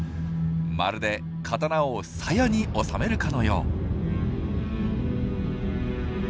まるで刀を「さや」に収めるかのよう。